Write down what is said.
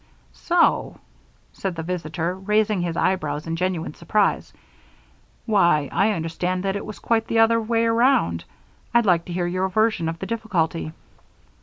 "So o?" said the visitor, raising his eyebrows in genuine surprise. "Why, I understood that it was quite the other way round. I'd like to hear your version of the difficulty."